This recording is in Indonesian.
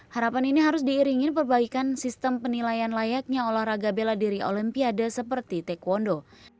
harapan ini harus diiringi perbaikan sistem penilaian layaknya olahraga bela diri olimpiade seperti taekwondo